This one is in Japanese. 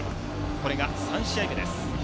これが３試合目です。